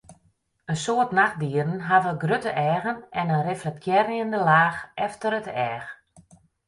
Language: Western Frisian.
In soad nachtdieren hawwe grutte eagen en in reflektearjende laach efter yn it each.